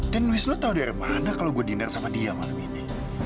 dan wisnu tau dari mana kalo gue dindar sama dia malam ini